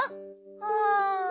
うん。